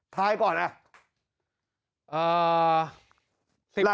ถ่ายก่อนอะ